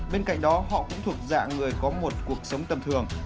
bên cạnh đó họ cũng thuộc dạng người có một cuộc sống tầm thường